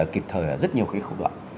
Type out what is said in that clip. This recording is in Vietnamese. kịp thời ở rất nhiều cái khu vực